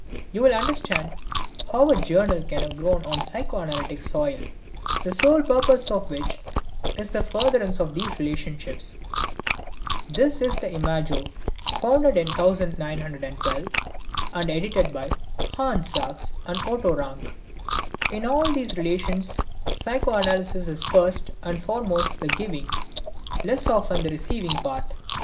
You will understand how a journal can have grown on psychoanalytic soil, the sole purpose of which is the furtherance of these relationships. This is the Imago founded in 1912 and edited by Hanns Sachs and Otto Rank. In all of these relations, psychoanalysis is first and foremost the giving, less often the receiving, part.